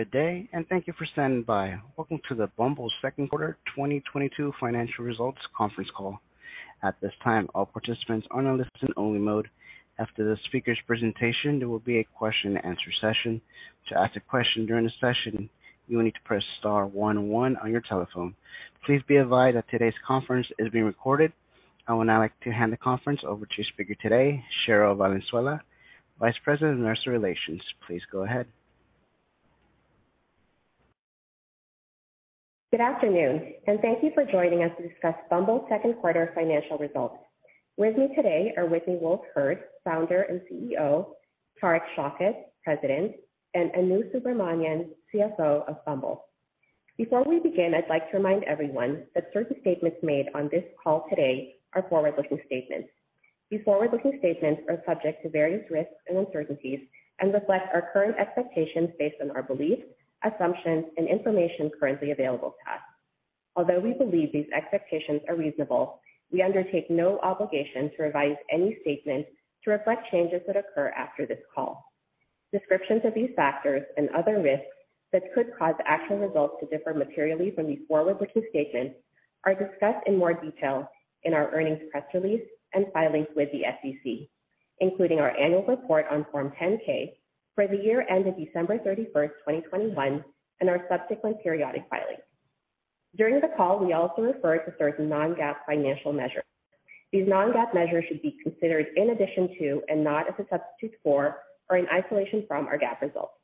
Good day, and thank you for standing by. Welcome to the Bumble second quarter 2022 financial results conference call. At this time, all participants are on a listen-only mode. After the speaker's presentation, there will be a question-and-answer session. To ask a question during the session, you will need to press star one one on your telephone. Please be advised that today's conference is being recorded. I would now like to hand the conference over to your speaker today, Cherryl Valenzuela, Vice President of Investor Relations. Please go ahead. Good afternoon, and thank you for joining us to discuss Bumble's second quarter financial results. With me today are Whitney Wolfe Herd, Founder and CEO, Tariq Shaukat, President, and Anu Subramanian, CFO of Bumble. Before we begin, I'd like to remind everyone that certain statements made on this call today are forward-looking statements. These forward-looking statements are subject to various risks and uncertainties and reflect our current expectations based on our beliefs, assumptions and information currently available to us. Although we believe these expectations are reasonable, we undertake no obligation to revise any statement to reflect changes that occur after this call. Descriptions of these factors and other risks that could cause actual results to differ materially from these forward-looking statements are discussed in more detail in our earnings press release and filings with the SEC, including our annual report on Form 10-K for the year ended December 31, 2021, and our subsequent periodic filings. During the call, we also refer to certain non-GAAP financial measures. These non-GAAP measures should be considered in addition to and not as a substitute for or an isolation from our GAAP results.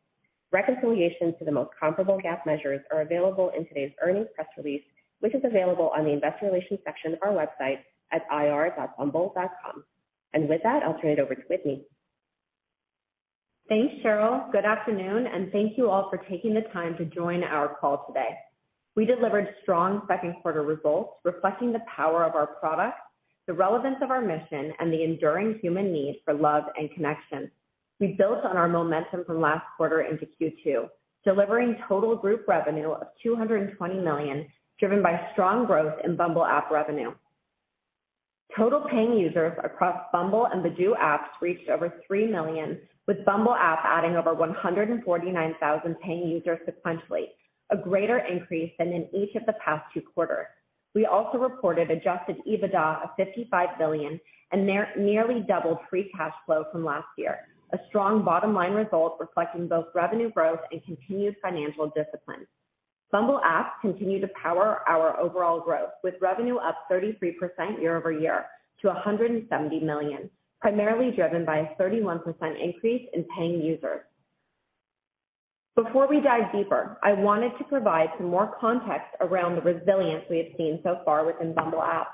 Reconciliations to the most comparable GAAP measures are available in today's earnings press release, which is available on the investor relations section of our website at ir.bumble.com. With that, I'll turn it over to Whitney. Thanks, Cherryl. Good afternoon, and thank you all for taking the time to join our call today. We delivered strong second quarter results reflecting the power of our products, the relevance of our mission, and the enduring human need for love and connection. We built on our momentum from last quarter into Q2, delivering total group revenue of $220 million, driven by strong growth Bumble app revenue. Total paying users across Bumble and Badoo apps reached over 3 million, Bumble app adding over 149,000 paying users sequentially, a greater increase than in each of the past two quarters. We also reported adjusted EBITDA of $55 million and nearly doubled free cash flow from last year, a strong bottom-line result reflecting both revenue growth and continued financial discipline. Bumble app continued to power our overall growth, with revenue up 33% year-over-year to $170 million, primarily driven by a 31% increase in paying users. Before we dive deeper, I wanted to provide some more context around the resilience we have seen so far Bumble app.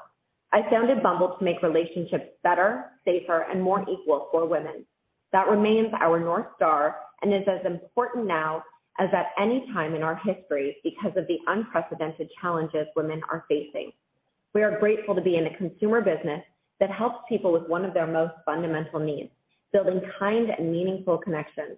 i founded Bumble to make relationships better, safer, and more equal for women. That remains our North Star, and is as important now as at any time in our history because of the unprecedented challenges women are facing. We are grateful to be in a consumer business that helps people with one of their most fundamental needs, building kind and meaningful connections.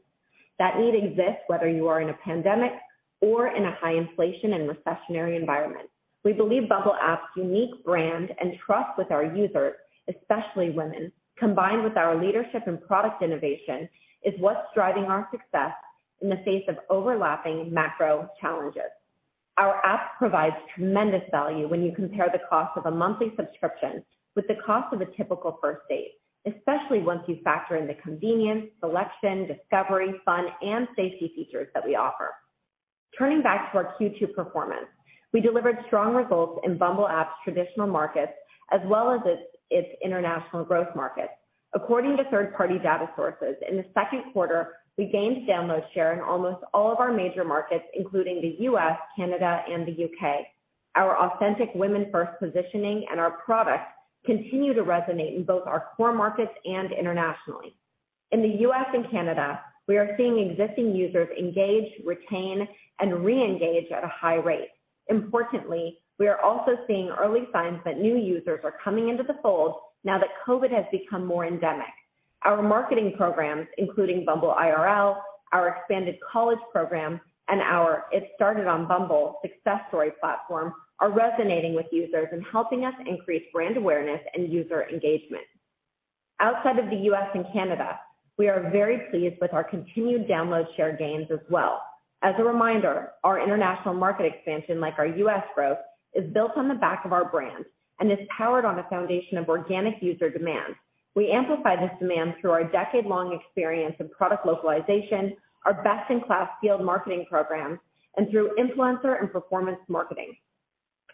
That need exists whether you are in a pandemic or in a high inflation and recessionary environment. We Bumble app's unique brand and trust with our users, especially women, combined with our leadership and product innovation, is what's driving our success in the face of overlapping macro challenges. Our app provides tremendous value when you compare the cost of a monthly subscription with the cost of a typical first date, especially once you factor in the convenience, selection, discovery, fun, and safety features that we offer. Turning back to our Q2 performance, we delivered strong results Bumble app's traditional markets as well as its international growth markets. According to third-party data sources, in the second quarter, we gained download share in almost all of our major markets, including the U.S., Canada, and the UK. Our authentic women-first positioning and our products continue to resonate in both our core markets and internationally. In the U.S. and Canada, we are seeing existing users engage, retain, and reengage at a high rate. Importantly, we are also seeing early signs that new users are coming into the fold now that COVID has become more endemic. Our marketing programs, including Bumble IRL, our expanded college program, and our It Started on Bumble success story platform are resonating with users and helping us increase brand awareness and user engagement. Outside of the U.S. and Canada, we are very pleased with our continued download share gains as well. As a reminder, our international market expansion, like our U.S. growth, is built on the back of our brand and is powered on a foundation of organic user demand. We amplify this demand through our decade-long experience in product localization, our best-in-class field marketing programs, and through influencer and performance marketing.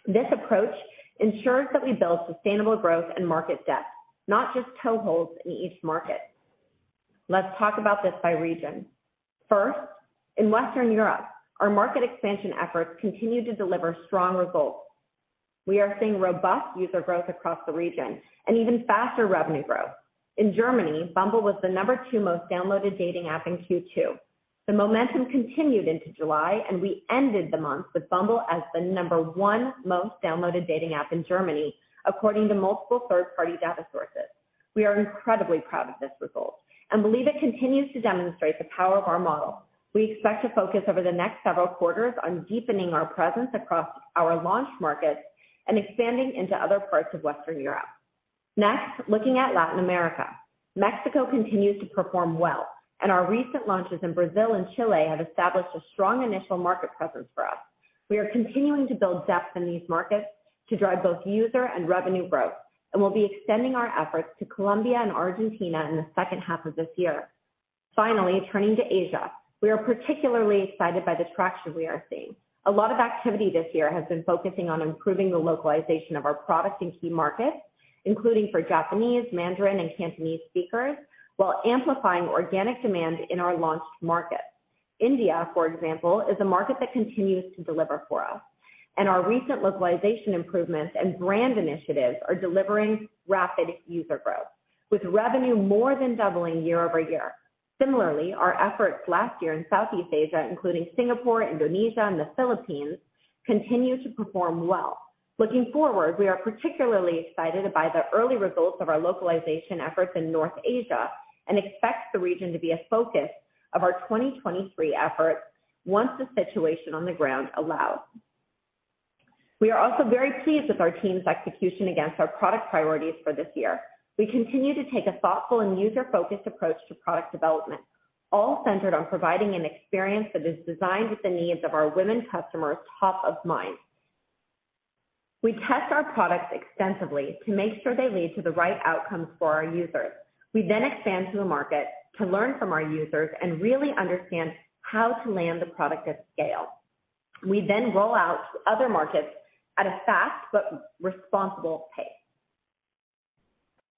This approach ensures that we build sustainable growth and market depth, not just toeholds in each market. Let's talk about this by region. First, in Western Europe, our market expansion efforts continue to deliver strong results. We are seeing robust user growth across the region and even faster revenue growth. In Germany, Bumble was the number two most downloaded dating app in Q2. The momentum continued into July, and we ended the month with Bumble as the number 1 most downloaded dating app in Germany, according to multiple third-party data sources. We are incredibly proud of this result and believe it continues to demonstrate the power of our model. We expect to focus over the next several quarters on deepening our presence across our launch markets and expanding into other parts of Western Europe. Next, looking at Latin America. Mexico continues to perform well, and our recent launches in Brazil and Chile have established a strong initial market presence for us. We are continuing to build depth in these markets to drive both user and revenue growth, and we'll be extending our efforts to Colombia and Argentina in the second half of this year. Finally, turning to Asia. We are particularly excited by the traction we are seeing. A lot of activity this year has been focusing on improving the localization of our products in key markets, including for Japanese, Mandarin and Cantonese speakers, while amplifying organic demand in our launched markets. India, for example, is a market that continues to deliver for us, and our recent localization improvements and brand initiatives are delivering rapid user growth, with revenue more than doubling year-over-year. Similarly, our efforts last year in Southeast Asia, including Singapore, Indonesia and the Philippines, continue to perform well. Looking forward, we are particularly excited by the early results of our localization efforts in North Asia and expect the region to be a focus of our 2023 efforts once the situation on the ground allows. We are also very pleased with our team's execution against our product priorities for this year. We continue to take a thoughtful and user-focused approach to product development, all centered on providing an experience that is designed with the needs of our women customers top of mind. We test our products extensively to make sure they lead to the right outcomes for our users. We then expand to the market to learn from our users and really understand how to land the product at scale. We then roll out to other markets at a fast but responsible pace.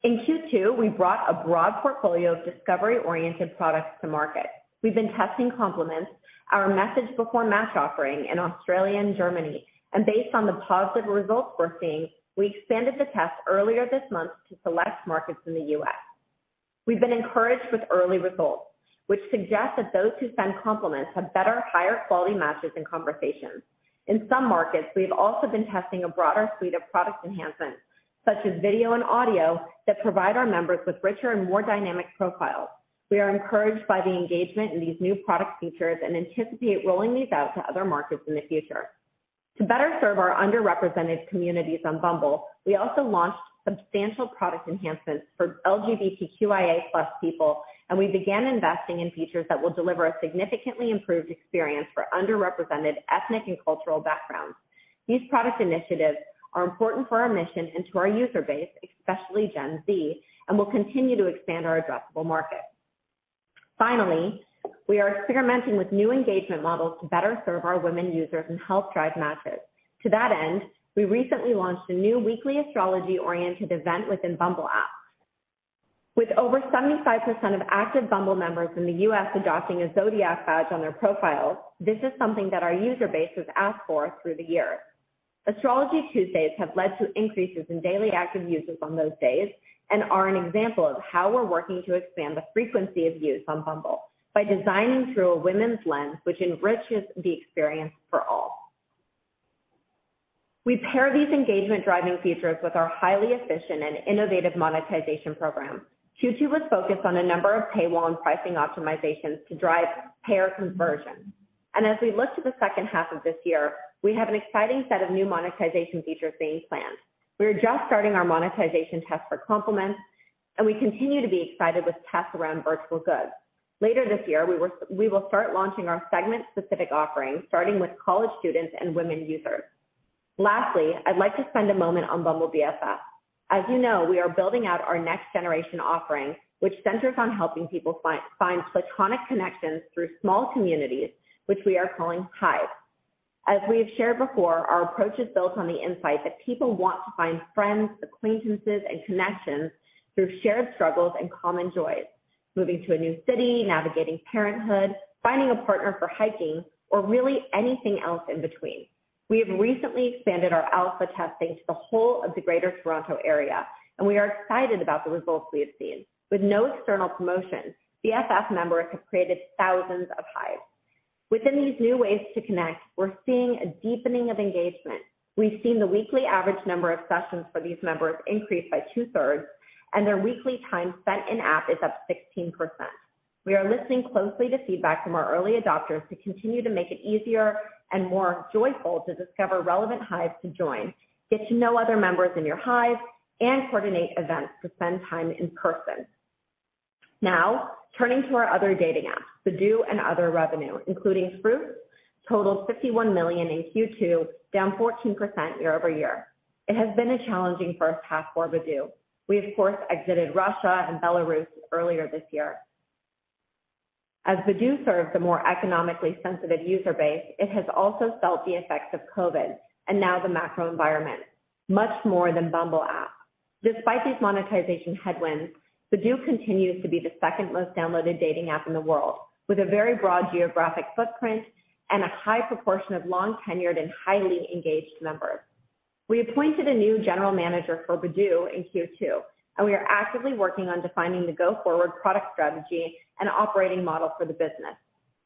In Q2, we brought a broad portfolio of discovery-oriented products to market. We've been testing Compliments, our message before match offering in Australia and Germany, and based on the positive results we're seeing, we expanded the test earlier this month to select markets in the U.S. We've been encouraged with early results, which suggest that those who send Compliments have better, higher-quality matches and conversations. In some markets, we have also been testing a broader suite of product enhancements, such as video and audio, that provide our members with richer and more dynamic profiles. We are encouraged by the engagement in these new product features and anticipate rolling these out to other markets in the future. To better serve our underrepresented communities on Bumble, we also launched substantial product enhancements for LGBTQIA+ people, and we began investing in features that will deliver a significantly improved experience for underrepresented ethnic and cultural backgrounds. These product initiatives are important for our mission and to our user base, especially Gen Z, and will continue to expand our addressable market. Finally, we are experimenting with new engagement models to better serve our women users and help drive matches. To that end, we recently launched a new weekly astrology-oriented event Bumble apps. with over 75% of active Bumble members in the U.S. adopting a zodiac badge on their profiles, this is something that our user base has asked for through the years. Astrology Tuesdays have led to increases in daily active users on those days and are an example of how we're working to expand the frequency of use on Bumble by designing through a women's lens, which enriches the experience for all. We pair these engagement-driving features with our highly efficient and innovative monetization program. Q2 was focused on a number of paywall and pricing optimizations to drive payer conversion. As we look to the second half of this year, we have an exciting set of new monetization features being planned. We are just starting our monetization test for Compliments, and we continue to be excited with tests around virtual goods. Later this year, we will start launching our segment-specific offerings, starting with college students and women users. Lastly, I'd like to spend a moment on Bumble BFF. As you know, we are building out our next-generation offering, which centers on helping people find platonic connections through small communities, which we are calling Hives. As we have shared before, our approach is built on the insight that people want to find friends, acquaintances, and connections through shared struggles and common joys, moving to a new city, navigating parenthood, finding a partner for hiking, or really anything else in between. We have recently expanded our alpha testing to the whole of the Greater Toronto Area, and we are excited about the results we have seen. With no external promotions, BFF members have created thousands of Hives. Within these new ways to connect, we're seeing a deepening of engagement. We've seen the weekly average number of sessions for these members increase by two-thirds, and their weekly time spent in app is up 16%. We are listening closely to feedback from our early adopters to continue to make it easier and more joyful to discover relevant Hives to join, get to know other members in your Hives, and coordinate events to spend time in person. Now, turning to our other dating apps, Badoo and other revenue, including Fruitz, totaled $51 million in Q2, down 14% year-over-year. It has been a challenging first half for Badoo. We, of course, exited Russia and Belarus earlier this year. As Badoo serves a more economically sensitive user base, it has also felt the effects of COVID, and now the macro environment, much more Bumble app. despite these monetization headwinds, Badoo continues to be the second most downloaded dating app in the world, with a very broad geographic footprint and a high proportion of long-tenured and highly engaged members. We appointed a new general manager for Badoo in Q2, and we are actively working on defining the go-forward product strategy and operating model for the business.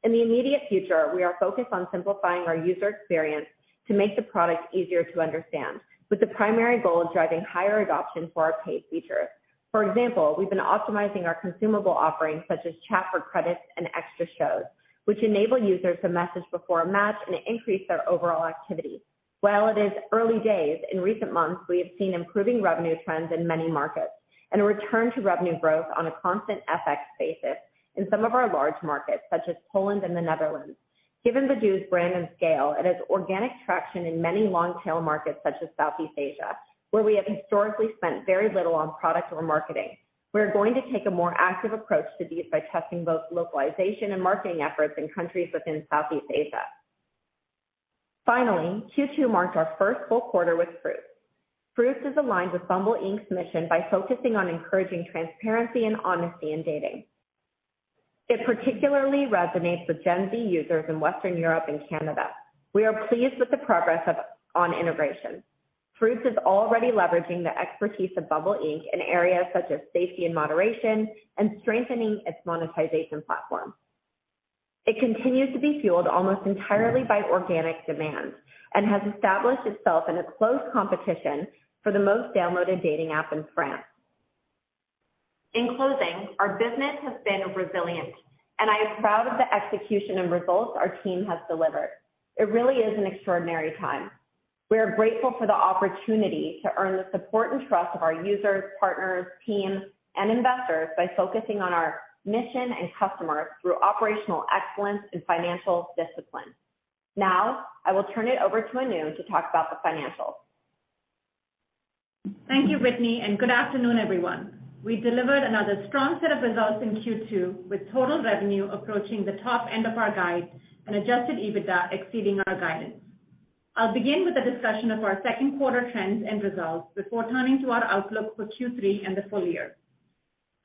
In the immediate future, we are focused on simplifying our user experience to make the product easier to understand, with the primary goal of driving higher adoption for our paid features. For example, we've been optimizing our consumable offerings such as chat for credits and extra shows, which enable users to message before a match and increase their overall activity. While it is early days, in recent months, we have seen improving revenue trends in many markets and a return to revenue growth on a constant FX basis in some of our large markets such as Poland and the Netherlands. Given Badoo's brand and scale and its organic traction in many long-tail markets such as Southeast Asia, where we have historically spent very little on product or marketing, we are going to take a more active approach to these by testing both localization and marketing efforts in countries within Southeast Asia. Finally, Q2 marked our first full quarter with Fruitz. Fruitz is aligned with Bumble Inc.'s mission by focusing on encouraging transparency and honesty in dating. It particularly resonates with Gen Z users in Western Europe and Canada. We are pleased with the progress on integration. Fruitz is already leveraging the expertise of Bumble Inc. in areas such as safety and moderation and strengthening its monetization platform. It continues to be fueled almost entirely by organic demand and has established itself in a close competition for the most downloaded dating app in France. In closing, our business has been resilient, and I am proud of the execution and results our team has delivered. It really is an extraordinary time. We are grateful for the opportunity to earn the support and trust of our users, partners, team, and investors by focusing on our mission and customers through operational excellence and financial discipline. Now, I will turn it over to Anu to talk about the financials. Thank you, Whitney, and good afternoon, everyone. We delivered another strong set of results in Q2, with total revenue approaching the top end of our guide and adjusted EBITDA exceeding our guidance. I'll begin with a discussion of our second quarter trends and results before turning to our outlook for Q3 and the full year.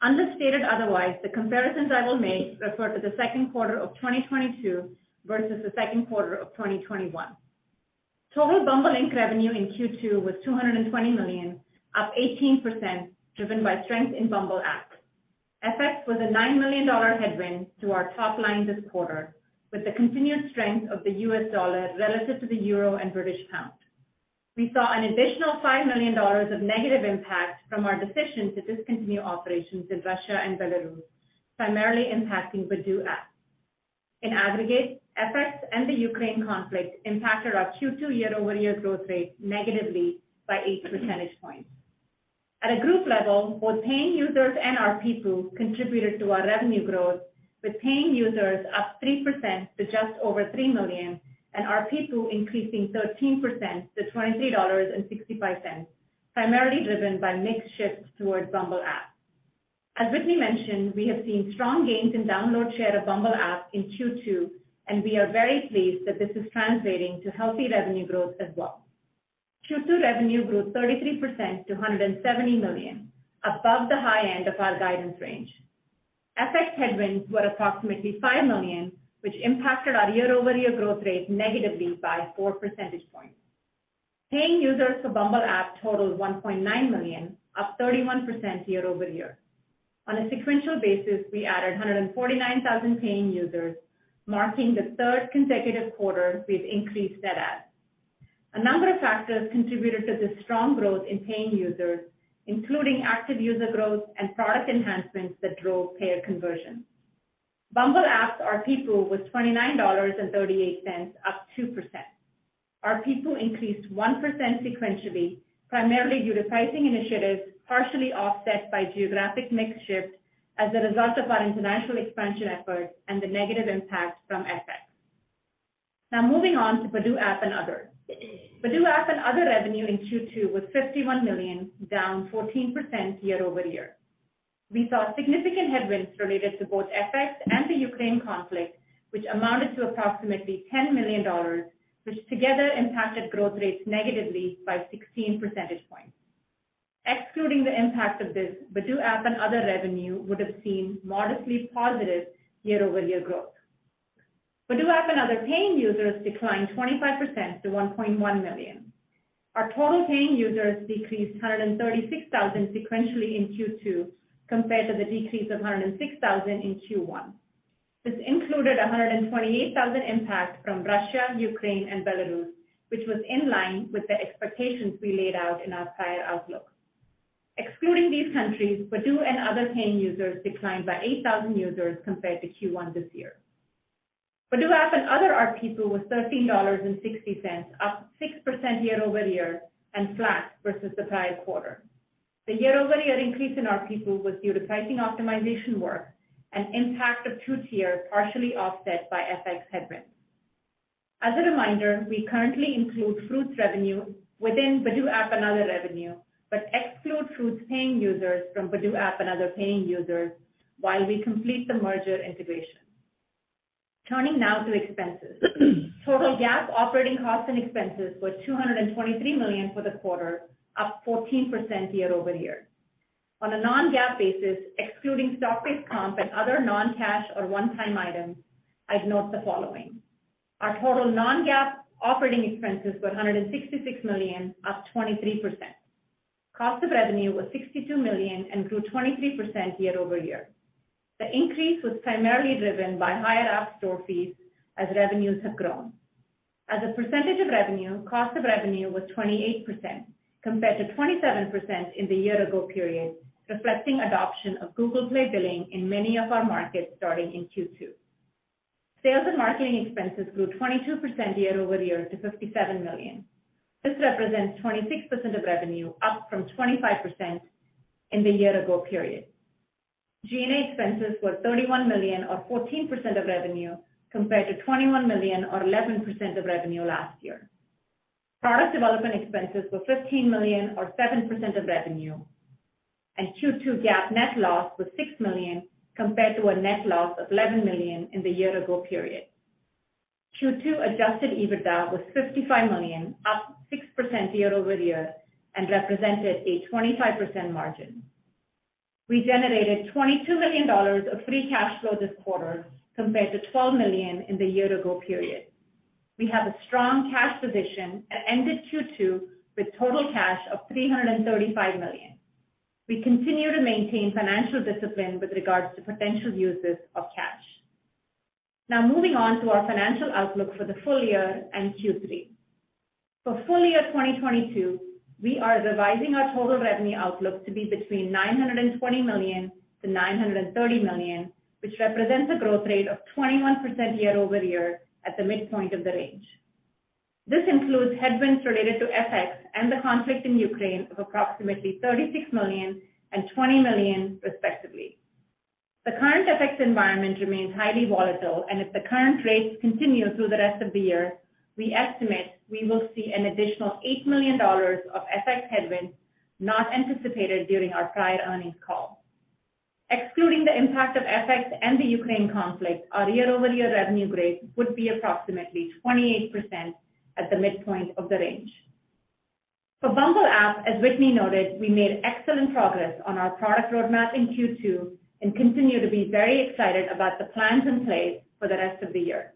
Unless stated otherwise, the comparisons I will make refer to the second quarter of 2022 versus the second quarter of 2021. Total Bumble Inc. revenue in Q2 was $220 million, up 18%, driven by strength Bumble app. fx was a $9 million headwind to our top line this quarter, with the continued strength of the U.S. dollar relative to the euro and British pound. We saw an additional $5 million of negative impact from our decision to discontinue operations in Russia and Belarus, primarily impacting Badoo app. In aggregate, FX and the Ukraine conflict impacted our Q2 year-over-year growth rate negatively by 8 percentage points. At a group level, both paying users and ARPPU contributed to our revenue growth, with paying users up 3% to just over 3 million and ARPPU increasing 13% to $23.65, primarily driven by mix shifts Bumble app. as Whitney mentioned, we have seen strong gains in download share Bumble app in Q2, and we are very pleased that this is translating to healthy revenue growth as well. Q2 revenue grew 33% to $170 million, above the high end of our guidance range. FX headwinds were approximately $5 million, which impacted our year-over-year growth rate negatively by 4 percentage points. Paying users Bumble app totaled 1.9 million, up 31% year-over-year. On a sequential basis, we added 149,000 paying users, marking the third consecutive quarter we've increased that at. A number of factors contributed to this strong growth in paying users, including active user growth and product enhancements that drove payer Bumble app's arppu was $29.38, up 2%. ARPPU increased 1% sequentially, primarily due to pricing initiatives, partially offset by geographic mix shift as a result of our international expansion efforts and the negative impact from FX. Now moving on to Badoo app and other. Badoo app and other revenue in Q2 was $51 million, down 14% year-over-year. We saw significant headwinds related to both FX and the Ukraine conflict, which amounted to approximately $10 million, which together impacted growth rates negatively by 16 percentage points. Excluding the impact of this, Badoo app and other revenue would have seen modestly positive year-over-year growth. Badoo app and other paying users declined 25% to 1.1 million. Our total paying users decreased 136,000 sequentially in Q2 compared to the decrease of 106,000 in Q1. This included a 128,000 impact from Russia, Ukraine, and Belarus, which was in line with the expectations we laid out in our prior outlook. Excluding these countries, Badoo and other paying users declined by 8,000 users compared to Q1 this year. Badoo app and other ARPPU was $13.60, up 6% year-over-year and flat versus the prior quarter. The year-over-year increase in ARPPU was due to pricing optimization work and impact of two-tier, partially offset by FX headwinds. As a reminder, we currently include Fruitz's revenue within Badoo app and other revenue, but exclude Fruitz's paying users from Badoo app and other paying users while we complete the merger integration. Turning now to expenses. Total GAAP operating costs and expenses were $223 million for the quarter, up 14% year-over-year. On a non-GAAP basis, excluding stock-based comp and other non-cash or one-time items, I'd note the following: Our total non-GAAP operating expenses were $166 million, up 23%. Cost of revenue was $62 million and grew 23% year-over-year. The increase was primarily driven by higher app store fees as revenues have grown. As a percentage of revenue, cost of revenue was 28% compared to 27% in the year ago period, reflecting adoption of Google Play billing in many of our markets starting in Q2. Sales and marketing expenses grew 22% year-over-year to $57 million. This represents 26% of revenue, up from 25% in the year ago period. G&A expenses were $31 million or 14% of revenue compared to $21 million or 11% of revenue last year. Product development expenses were $15 million or 7% of revenue, and Q2 GAAP net loss was $6 million compared to a net loss of $11 million in the year ago period. Q2 adjusted EBITDA was $55 million, up 6% year-over-year, and represented a 25% margin. We generated $22 million of free cash flow this quarter compared to $12 million in the year ago period. We have a strong cash position and ended Q2 with total cash of $335 million. We continue to maintain financial discipline with regards to potential uses of cash. Now moving on to our financial outlook for the full year and Q3. For full year 2022, we are revising our total revenue outlook to be between $920 million-$930 million, which represents a growth rate of 21% year-over-year at the midpoint of the range. This includes headwinds related to FX and the conflict in Ukraine of approximately $36 million and $20 million respectively. The current FX environment remains highly volatile, and if the current rates continue through the rest of the year, we estimate we will see an additional $8 million of FX headwinds not anticipated during our prior earnings call. Excluding the impact of FX and the Ukraine conflict, our year-over-year revenue growth would be approximately 28% at the midpoint of the range. Bumble app, as Whitney noted, we made excellent progress on our product roadmap in Q2 and continue to be very excited about the plans in place for the rest of the year.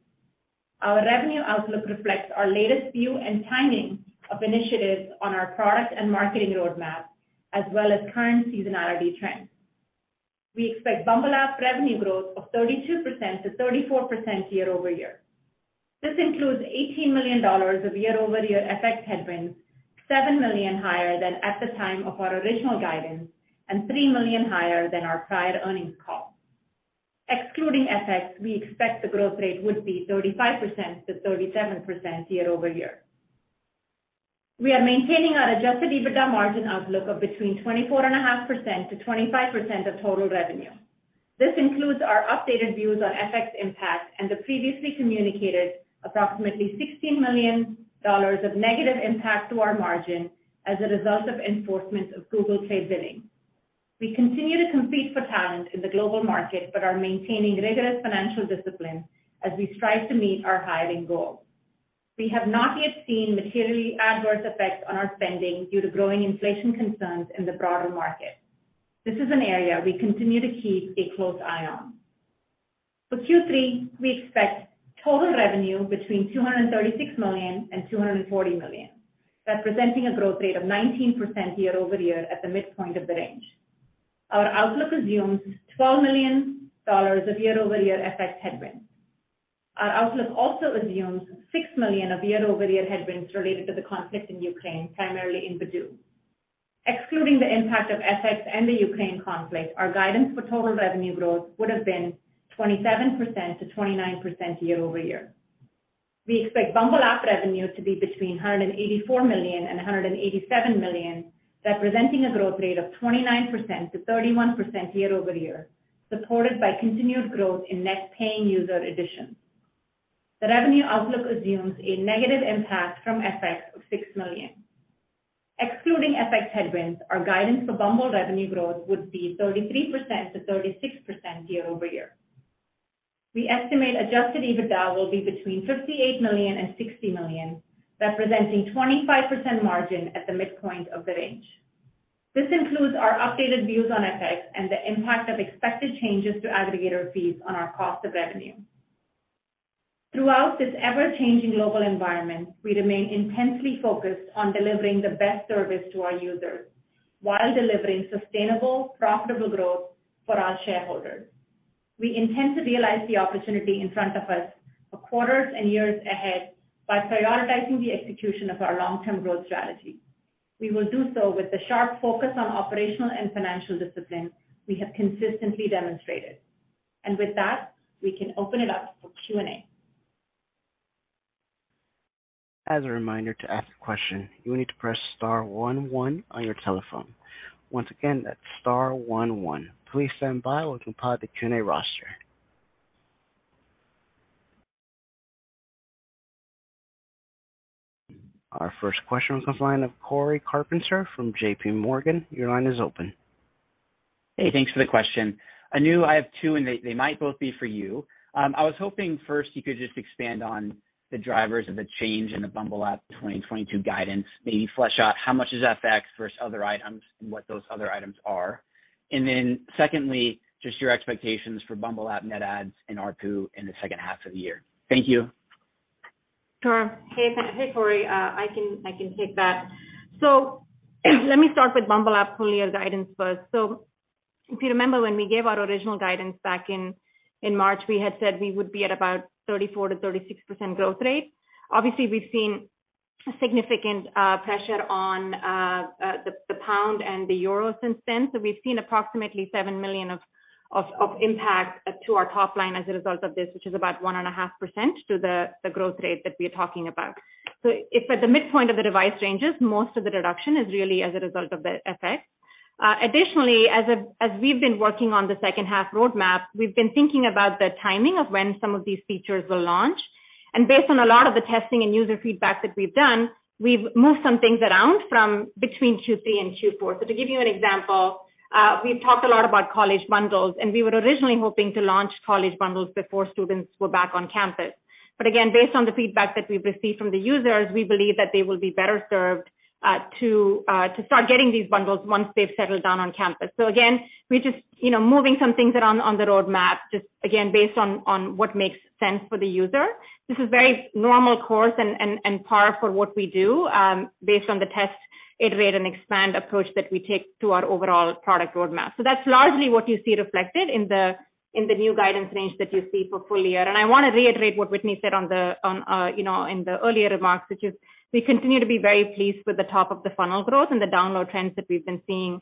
Our revenue outlook reflects our latest view and timing of initiatives on our product and marketing roadmap, as well as current seasonality trends. We Bumble app revenue growth of 32%-34% year-over-year. This includes $18 million of year-over-year FX headwinds, $7 million higher than at the time of our original guidance, and $3 million higher than our prior earnings call. Excluding FX, we expect the growth rate would be 35%-37% year-over-year. We are maintaining our adjusted EBITDA margin outlook of between 24.5% to 25% of total revenue. This includes our updated views on FX impact and the previously communicated approximately $16 million of negative impact to our margin as a result of enforcement of Google Play billing. We continue to compete for talent in the global market, but are maintaining rigorous financial discipline as we strive to meet our hiring goals. We have not yet seen materially adverse effects on our spending due to growing inflation concerns in the broader market. This is an area we continue to keep a close eye on. For Q3, we expect total revenue between $236 million and $240 million, representing a growth rate of 19% year-over-year at the midpoint of the range. Our outlook assumes $12 million of year-over-year FX headwinds. Our outlook also assumes $6 million of year-over-year headwinds related to the conflict in Ukraine, primarily in Badoo. Excluding the impact of FX and the Ukraine conflict, our guidance for total revenue growth would have been 27%-29% year-over-year. We Bumble app revenue to be between $184 million and $187 million, representing a growth rate of 29%-31% year-over-year, supported by continued growth in net paying user additions. The revenue outlook assumes a negative impact from FX of $6 million. Excluding FX headwinds, our guidance for Bumble revenue growth would be 33%-36% year-over-year. We estimate adjusted EBITDA will be between $58 million and $60 million, representing 25% margin at the midpoint of the range. This includes our updated views on FX and the impact of expected changes to aggregator fees on our cost of revenue. Throughout this ever-changing global environment, we remain intensely focused on delivering the best service to our users while delivering sustainable, profitable growth for our shareholders. We intend to realize the opportunity in front of us for quarters and years ahead by prioritizing the execution of our long-term growth strategy. We will do so with the sharp focus on operational and financial discipline we have consistently demonstrated. With that, we can open it up for Q&A. As a reminder, to ask a question, you will need to press star one one on your telephone. Once again, that's star one one. Please stand by while we compile the Q&A roster. Our first question comes from the line of Cory Carpenter from JPMorgan. Your line is open. Hey, thanks for the question. Anu, I have two, and they might both be for you. I was hoping first you could just expand on the drivers of the change in Bumble app 2022 guidance. Maybe flesh out how much is FX versus other items and what those other items are. And then secondly, just your expectations Bumble app net adds and ARPU in the second half of the year. Thank you. Sure. Hey, Corey. I can take that. Let me start Bumble app full year guidance first. If you remember when we gave our original guidance back in March, we had said we would be at about 34%-36% growth rate. Obviously, we've seen significant pressure on the pound and the euro since then. We've seen approximately $7 million of impact to our top line as a result of this, which is about 1.5% to the growth rate that we're talking about. It's at the midpoint of the guidance ranges, most of the deduction is really as a result of the FX effect. Additionally, as we've been working on the second half roadmap, we've been thinking about the timing of when some of these features will launch. Based on a lot of the testing and user feedback that we've done, we've moved some things around from between Q3 and Q4. To give you an example, we've talked a lot about college bundles, and we were originally hoping to launch college bundles before students were back on campus. Again, based on the feedback that we've received from the users, we believe that they will be better served to start getting these bundles once they've settled down on campus. Again, we're just, you know, moving some things around on the roadmap, just again, based on what makes sense for the user. This is very normal course and par for what we do, based on the test, iterate and expand approach that we take to our overall product roadmap. That's largely what you see reflected in the new guidance range that you see for full year. I want to reiterate what Whitney said in the earlier remarks, which is we continue to be very pleased with the top of the funnel growth and the download trends that we've been seeing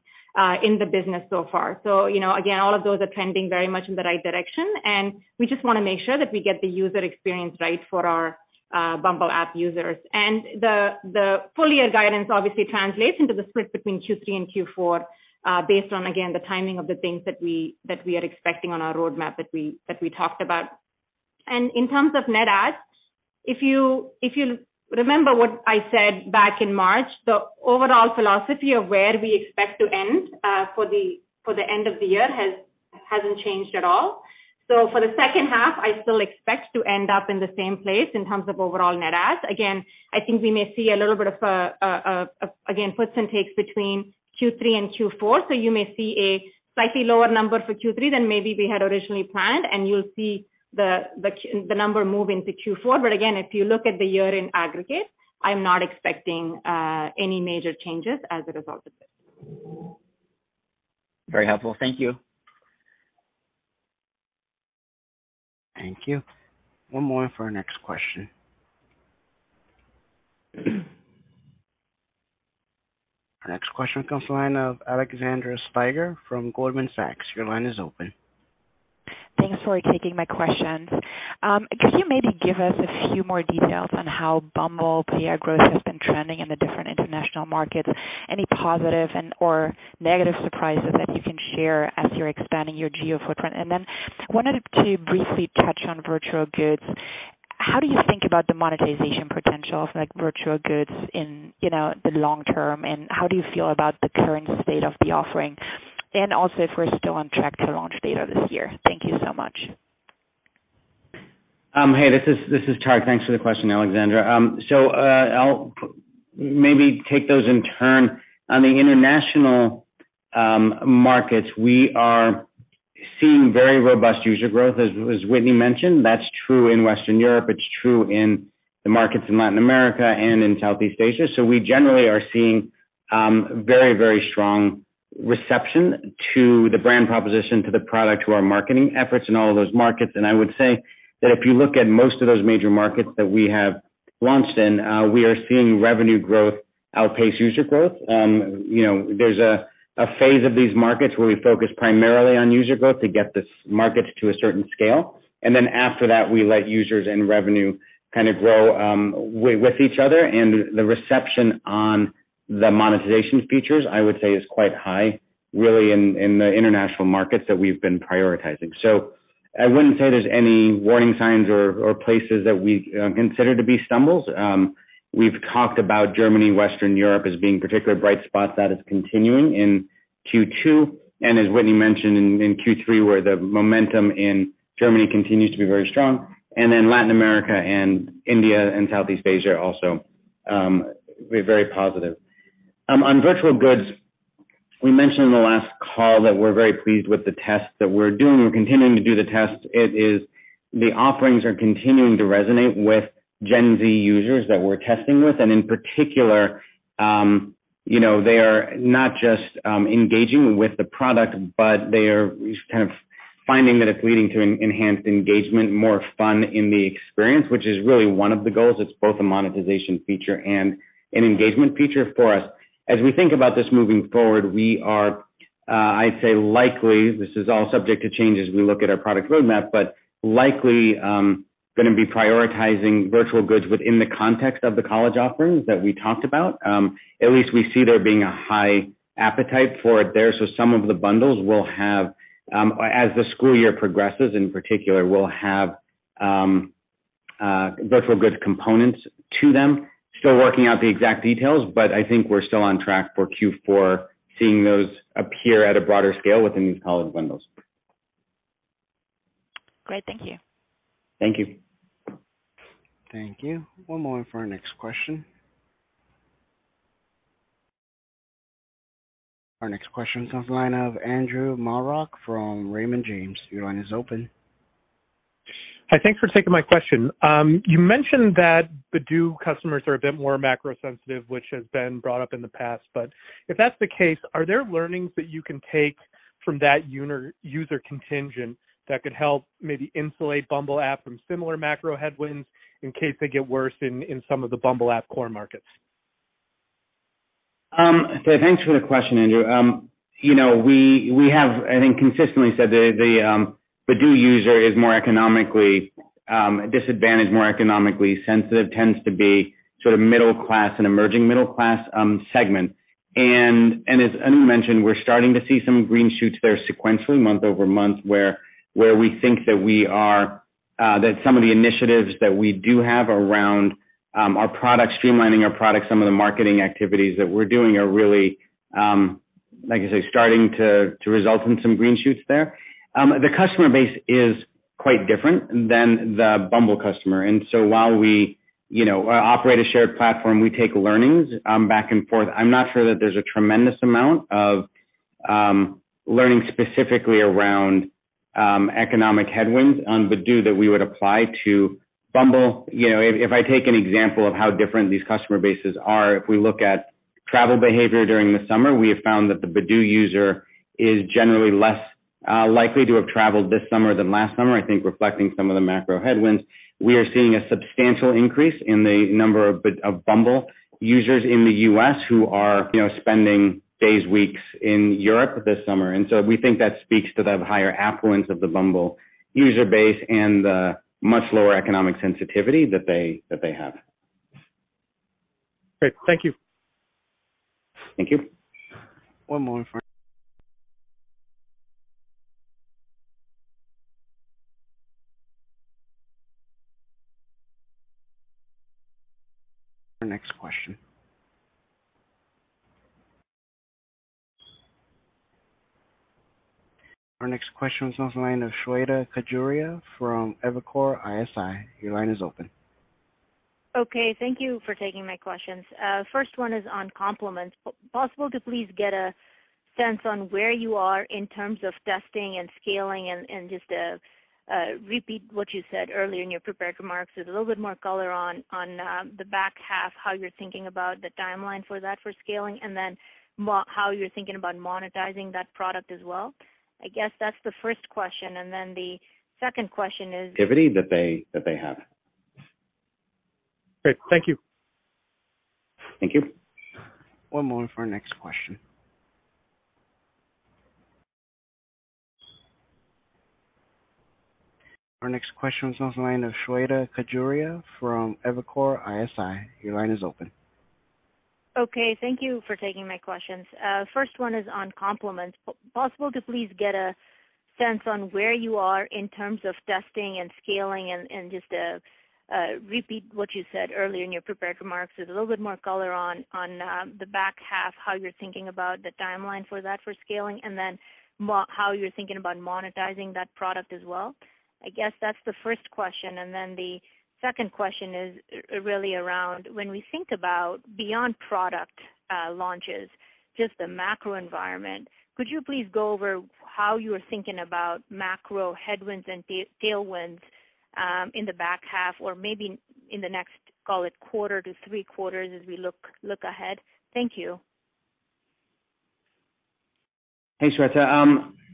in the business so far. Again, all of those are trending very much in the right direction, and we just want to make sure that we get the user experience right for Bumble app users. The full-year guidance obviously translates into the split between Q3 and Q4 based on again the timing of the things that we are expecting on our roadmap that we talked about. In terms of net adds, if you remember what I said back in March, the overall philosophy of where we expect to end for the end of the year hasn't changed at all. For the second half, I still expect to end up in the same place in terms of overall net adds. Again, I think we may see a little bit of again, puts and takes between Q3 and Q4. You may see a slightly lower number for Q3 than maybe we had originally planned, and you'll see the number move into Q4. Again, if you look at the year-end aggregate, I'm not expecting any major changes as a result of this. Very helpful. Thank you. Thank you. One more for our next question. Our next question comes from the line of Alexandra Steiger from Goldman Sachs. Your line is open. Thanks for taking my questions. Could you maybe give us a few more details on how Bumble PA growth has been trending in the different international markets? Any positive and or negative surprises that you can share as you're expanding your geo footprint? Wanted to briefly touch on virtual goods. How do you think about the monetization potentials like virtual goods in, you know, the long term, and how do you feel about the current state of the offering? If we're still on track to launch date this year. Thank you so much. Hey, this is Tariq Shaukat. Thanks for the question, Alexandra Steiger. I'll maybe take those in turn. On the international markets, we are seeing very robust user growth. As Whitney mentioned, that's true in Western Europe, it's true in the markets in Latin America and in Southeast Asia. We generally are seeing very, very strong reception to the brand proposition, to the product, to our marketing efforts in all of those markets. I would say that if you look at most of those major markets that we have launched in, we are seeing revenue growth outpace user growth. You know, there's a phase of these markets where we focus primarily on user growth to get this market to a certain scale. Then after that, we let users and revenue kind of grow with each other. The reception on the monetization features, I would say, is quite high, really in the international markets that we've been prioritizing. I wouldn't say there's any warning signs or places that we consider to be stumbles. We've talked about Germany, Western Europe, as being particularly bright spot that is continuing in Q2. As Whitney mentioned in Q3, where the momentum in Germany continues to be very strong. Latin America and India and Southeast Asia also, we're very positive. On virtual goods, we mentioned in the last call that we're very pleased with the test that we're doing. We're continuing to do the test. The offerings are continuing to resonate with Gen Z users that we're testing with. In particular, you know, they are not just engaging with the product, but they are kind of finding that it's leading to an enhanced engagement, more fun in the experience, which is really one of the goals. It's both a monetization feature and an engagement feature for us. As we think about this moving forward, we are, I'd say likely, this is all subject to change as we look at our product roadmap, but likely gonna be prioritizing virtual goods within the context of the college offerings that we talked about. At least we see there being a high appetite for it there. Some of the bundles will have, as the school year progresses, in particular, will have virtual goods components to them. Still working out the exact details, but I think we're still on track for Q4, seeing those appear at a broader scale within these college windows. Great. Thank you. Thank you. Thank you. One more for our next question. Our next question comes from the line of Andrew Marok from Raymond James. Your line is open. Hi, thanks for taking my question. You mentioned that the Badoo customers are a bit more macro sensitive, which has been brought up in the past. If that's the case, are there learnings that you can take from that under-user contingent that could help maybe Bumble app from similar macro headwinds in case they get worse in some of Bumble app core markets? Thanks for the question, Andrew. You know, we have, I think, consistently said the Badoo user is more economically disadvantaged, more economically sensitive, tends to be sort of middle class and emerging middle class segment. As Andrew mentioned, we're starting to see some green shoots there sequentially month-over-month, where we think that some of the initiatives that we have around our products, streamlining our products, some of the marketing activities that we're doing are really, like I say, starting to result in some green shoots there. The customer base is quite different than the Bumble customer. While we, you know, operate a shared platform, we take learnings back and forth. I'm not sure that there's a tremendous amount of learning specifically around economic headwinds on Badoo that we would apply to Bumble. You know, if I take an example of how different these customer bases are, if we look at travel behavior during the summer, we have found that the Badoo user is generally less likely to have traveled this summer than last summer, I think reflecting some of the macro headwinds. We are seeing a substantial increase in the number of Bumble users in the U.S. who are, you know, spending days, weeks in Europe this summer. We think that speaks to the higher affluence of the Bumble user base and the much lower economic sensitivity that they have. Great. Thank you. Thank you. One moment for our next question. Our next question is on the line of Shweta Khajuria from Evercore ISI. Your line is open. Okay, thank you for taking my questions. First one is on Compliments. Is it possible to please get a sense on where you are in terms of testing and scaling and just to repeat what you said earlier in your prepared remarks with a little bit more color on the back half, how you're thinking about the timeline for that for scaling, and then how you're thinking about monetizing that product as well? I guess that's the first question. Then the second question is- that they have. Great. Thank you. Thank you. One moment for our next question. Our next question is on the line of Shweta Khajuria from Evercore ISI. Your line is open. Okay, thank you for taking my questions. First one is on Compliments. Possible to please get a sense on where you are in terms of testing and scaling and just to repeat what you said earlier in your prepared remarks with a little bit more color on the back half, how you're thinking about the timeline for that for scaling, and then how you're thinking about monetizing that product as well? I guess that's the first question. The second question is really around when we think about beyond product launches, just the macro environment, could you please go over how you are thinking about macro headwinds and tailwinds in the back half or maybe in the next, call it quarter to three quarters as we look ahead? Thank you. Hey,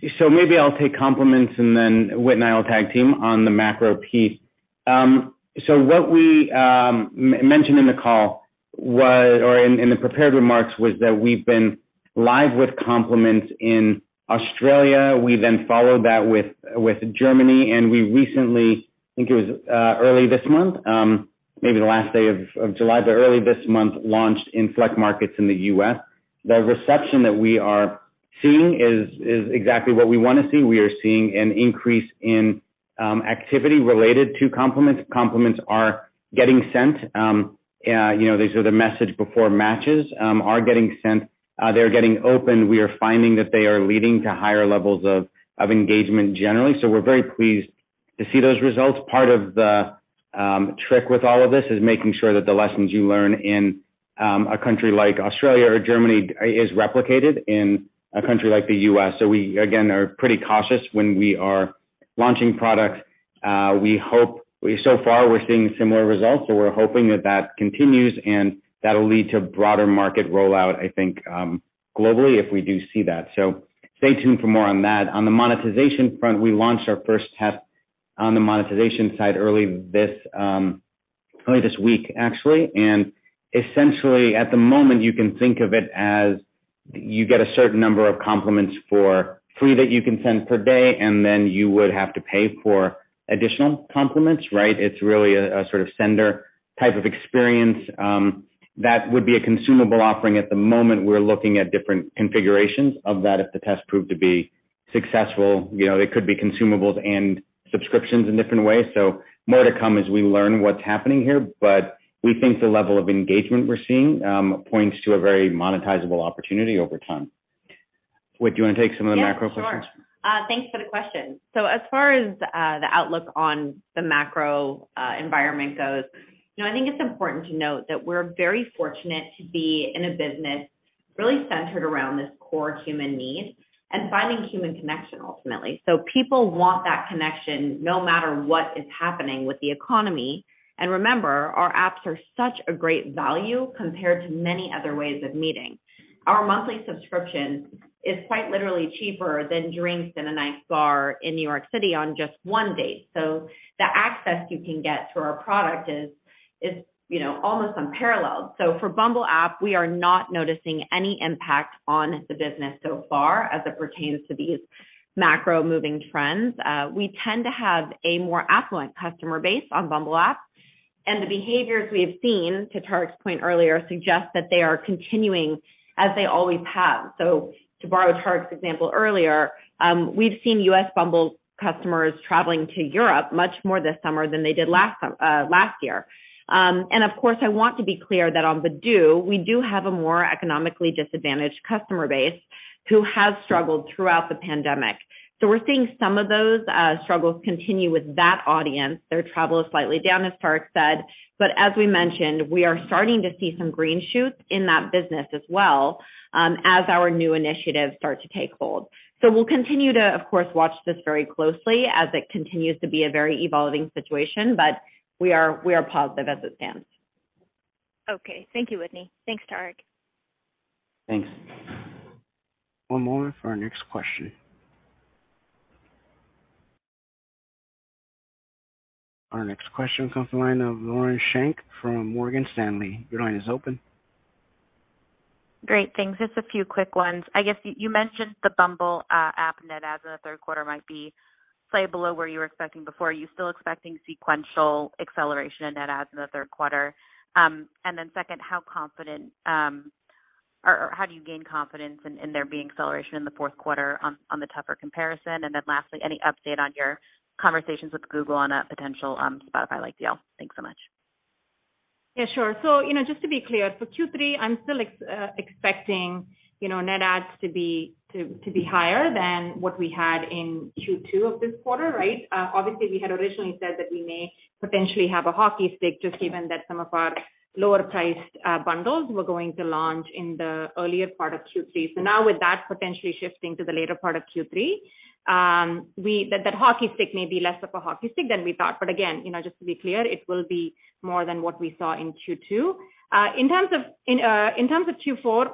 Shweta. Maybe I'll take Compliments and then Whit and I will tag team on the macro piece. What we mentioned in the prepared remarks was that we've been live with Compliments in Australia. We then followed that with Germany, and we recently, I think it was, early this month, maybe the last day of July, but early this month launched in select markets in the U.S. The reception that we are seeing is exactly what we wanna see. We are seeing an increase in activity related to Compliments. Compliments are getting sent. You know, these are the messages before matches are getting sent. They're getting opened. We are finding that they are leading to higher levels of engagement generally. We're very pleased to see those results. Part of the trick with all of this is making sure that the lessons you learn in a country like Australia or Germany is replicated in a country like the U.S.. We again are pretty cautious when we are launching products. So far we're seeing similar results, so we're hoping that continues and that'll lead to broader market rollout, I think, globally if we do see that. Stay tuned for more on that. On the monetization front, we launched our first test on the monetization side early this week, actually. Essentially at the moment you can think of it as you get a certain number of Compliments for free that you can send per day, and then you would have to pay for additional Compliments, right? It's really a sort of sender type of experience that would be a consumable offering at the moment. We're looking at different configurations of that. If the test proved to be successful, you know, it could be consumables and subscriptions in different ways. More to come as we learn what's happening here, but we think the level of engagement we're seeing points to a very monetizable opportunity over time. Whit, do you wanna take some of the macro questions? Yeah, sure. Thanks for the question. As far as the outlook on the macro environment goes, you know, I think it's important to note that we're very fortunate to be in a business Really centered around this core human need and finding human connection ultimately. People want that connection no matter what is happening with the economy. Remember, our apps are such a great value compared to many other ways of meeting. Our monthly subscription is quite literally cheaper than drinks in a nice bar in New York City on just one date. The access you can get through our product is, you know, almost unparalleled. Bumble app, we are not noticing any impact on the business so far as it pertains to these macro moving trends. We tend to have a more affluent customer base Bumble app, and the behaviors we have seen, to Tariq's point earlier, suggest that they are continuing as they always have. To borrow Tariq's example earlier, we've seen U.S. Bumble customers traveling to Europe much more this summer than they did last year. Of course, I want to be clear that on Badoo, we do have a more economically disadvantaged customer base who have struggled throughout the pandemic. We're seeing some of those struggles continue with that audience. Their travel is slightly down, as Tariq said. As we mentioned, we are starting to see some green shoots in that business as well, as our new initiatives start to take hold. We'll continue to, of course, watch this very closely as it continues to be a very evolving situation. We are positive as it stands. Okay. Thank you, Whitney. Thanks, Tariq. Thanks. One moment for our next question. Our next question comes from the line of Lauren Schenk from Morgan Stanley. Your line is open. Great, thanks. Just a few quick ones. I guess you mentioned Bumble app net adds in the third quarter might be slightly below where you were expecting before. Are you still expecting sequential acceleration in net adds in the third quarter? And then second, how confident or how do you gain confidence in there being acceleration in the fourth quarter on the tougher comparison? And then lastly, any update on your conversations with Google on a potential Spotify-like deal? Thanks so much. Yeah, sure. You know, just to be clear, for Q3, I'm still expecting, you know, net adds to be higher than what we had in Q2 of this quarter, right? Obviously we had originally said that we may potentially have a hockey stick just given that some of our lower priced bundles were going to launch in the earlier part of Q3. Now with that potentially shifting to the later part of Q3, that hockey stick may be less of a hockey stick than we thought. Again, you know, just to be clear, it will be more than what we saw in Q2. In terms of Q4,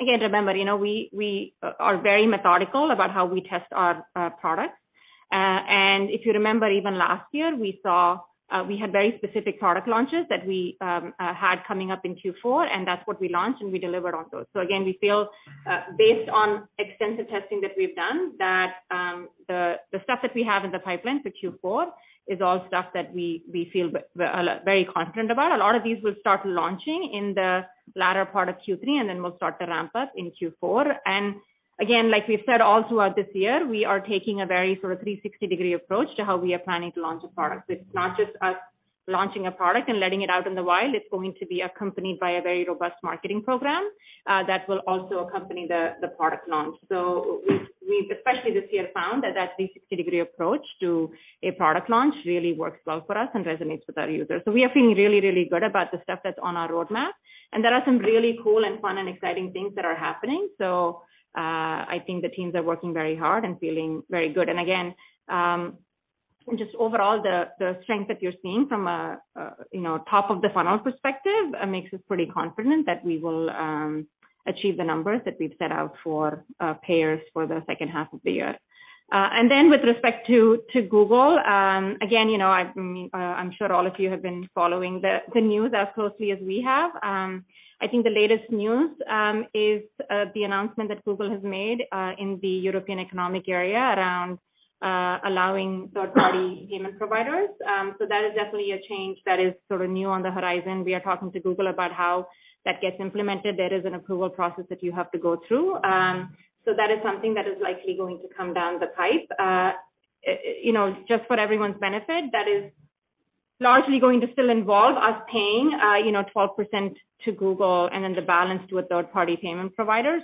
again, remember, you know, we are very methodical about how we test our products. If you remember even last year, we saw we had very specific product launches that we had coming up in Q4, and that's what we launched, and we delivered on those. Again, we feel based on extensive testing that we've done that the stuff that we have in the pipeline for Q4 is all stuff that we feel very confident about. A lot of these will start launching in the latter part of Q3, and then we'll start to ramp up in Q4. Again, like we've said all throughout this year, we are taking a very sort of 360-degree approach to how we are planning to launch a product. It's not just us launching a product and letting it out in the wild. It's going to be accompanied by a very robust marketing program that will also accompany the product launch. We've especially this year found that 360-degree approach to a product launch really works well for us and resonates with our users. We are feeling really good about the stuff that's on our roadmap, and there are some really cool and fun and exciting things that are happening. I think the teams are working very hard and feeling very good. Again, just overall the strength that you're seeing from a you know top of the funnel perspective makes us pretty confident that we will achieve the numbers that we've set out for payers for the second half of the year. With respect to Google, again, you know, I'm sure all of you have been following the news as closely as we have. I think the latest news is the announcement that Google has made in the European Economic Area around allowing third-party payment providers. That is definitely a change that is sort of new on the horizon. We are talking to Google about how that gets implemented. There is an approval process that you have to go through. That is something that is likely going to come down the pipe. You know, just for everyone's benefit, that is largely going to still involve us paying, you know, 12% to Google and then the balance to a third-party payment provider.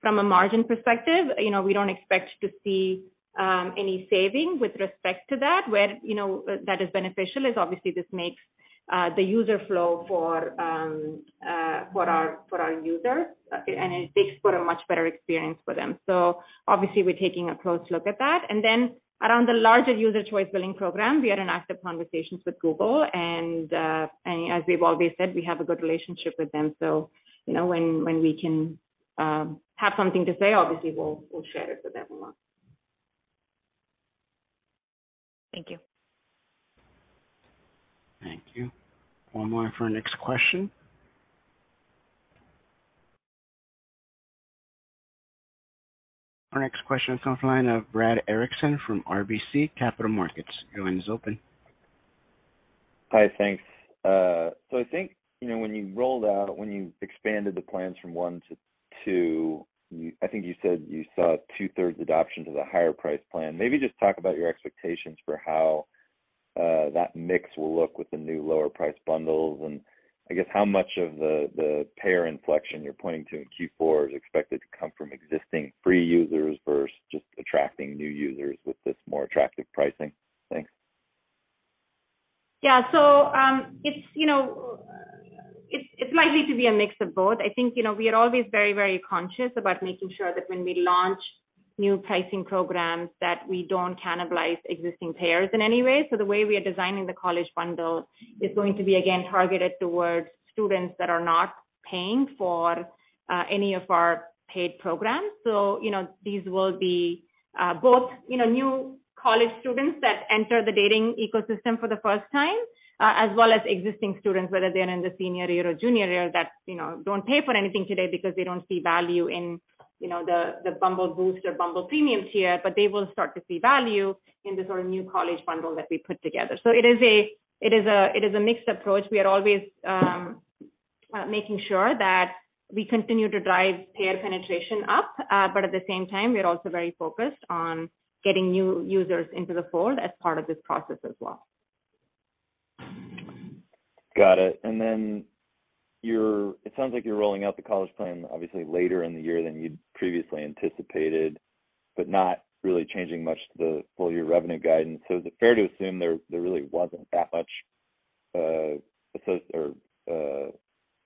From a margin perspective, you know, we don't expect to see any saving with respect to that. Where, you know, that is beneficial is obviously this makes the user flow for our users and it makes for a much better experience for them. Obviously we're taking a close look at that. Then around the user choice billing program, we are in active conversations with Google and as we've always said, we have a good relationship with them. You know, when we can have something to say, obviously we'll share it with everyone. Thank you. Thank you. One moment for our next question. Our next question comes from the line of Brad Erickson from RBC Capital Markets. Your line is open. Hi, thanks. I think, you know, when you expanded the plans from 1 to 2, you. I think you said you saw two-thirds adoption to the higher price plan. Maybe just talk about your expectations for how that mix will look with the new lower price bundles. I guess how much of the payer inflection you're pointing to in Q4 is expected to come from existing free users versus just attracting new users with this more attractive pricing? Thanks. Yeah, it's, you know, it's likely to be a mix of both. I think, you know, we are always very conscious about making sure that when we launch new pricing programs, that we don't cannibalize existing payers in any way. The way we are designing the college bundle is going to be, again, targeted towards students that are not paying for any of our paid programs. You know, these will be both, you know, new college students that enter the dating ecosystem for the first time, as well as existing students, whether they're in their senior year or junior year that, you know, don't pay for anything today because they don't see value in, you know, the Bumble Boost or Bumble Premium tier, but they will start to see value in the sort of new college bundle that we put together. It is a mixed approach. We are always making sure that we continue to drive payer penetration up. But at the same time, we are also very focused on getting new users into the fold as part of this process as well. Got it. Then it sounds like you're rolling out the college plan obviously later in the year than you'd previously anticipated, but not really changing much to the full year revenue guidance. Is it fair to assume there really wasn't that much